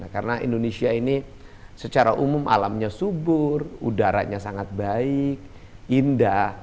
karena indonesia ini secara umum alamnya subur udaranya sangat baik indah